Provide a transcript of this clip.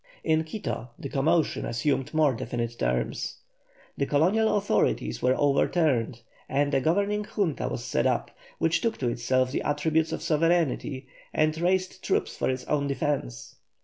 In Quito the commotion assumed more definite forms. The colonial authorities were overturned and a governing Junta was set up, which took to itself the attributes of sovereignty and raised troops for its own defence.